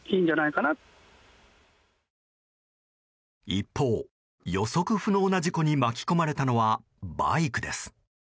一方、予測不能な事故に巻き込まれたのはバイクです。